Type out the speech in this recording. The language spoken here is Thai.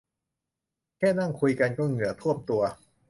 แค่นั่งคุยกันก็เหงื่อท่วมตัว